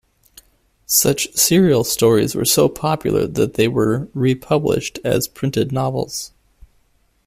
Such serial stories were so popular that they were re-published as printed novels.